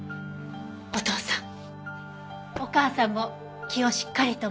お父さんお母さんも気をしっかりと持ってください。